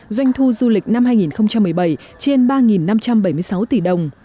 doanh thu du lịch năm hai nghìn một mươi bảy trên ba năm trăm bảy mươi sáu tỷ đồng